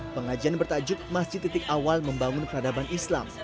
pengajian bertajuk masjid titik awal membangun peradaban islam